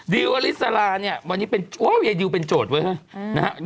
ดิวอลิสราวันนี้ยายดิวเป็นโจทย์ไว้